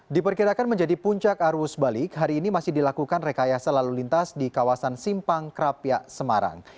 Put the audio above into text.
diperkirakan menjadi puncak arus balik hari ini masih dilakukan rekayasa lalu lintas di kawasan simpang krapia semarang